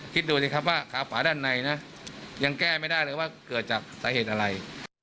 คิดดูสิครับว่าขาขวาด้านในนะยังแก้ไม่ได้เลยว่าเกิดจากสาเหตุอะไร